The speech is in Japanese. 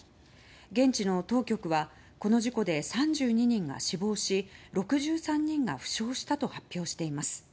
現地の当局は、この事故で３２人が死亡し６３人が負傷したと発表しています。